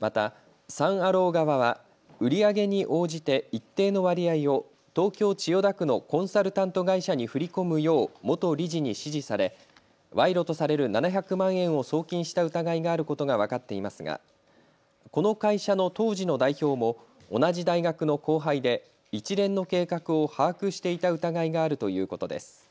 また、サン・アロー側は売り上げに応じて一定の割合を東京千代田区のコンサルタント会社に振り込むよう元理事に指示され賄賂とされる７００万円を送金した疑いがあることが分かっていますがこの会社の当時の代表も同じ大学の後輩で一連の計画を把握していた疑いがあるということです。